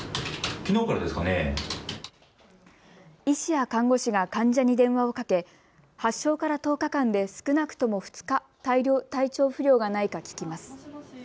医師や看護師が患者に電話をかけ発症から１０日間で少なくとも２日、体調不良がないか聞きます。